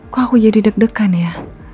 kok aku jadi deg degan ya